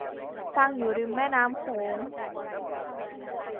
ตั้งอยู่ริมแม่น้ำโขง